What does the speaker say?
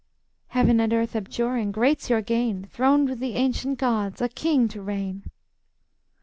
"Heaven and earth abjuring, great's your gain, Throned with the ancient gods, a king to reign!"